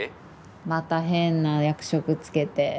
また変な役職付けて。